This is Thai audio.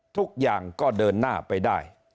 ทุกอย่างก็เดินหน้าไปได้